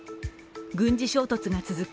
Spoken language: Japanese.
軍事衝突が続く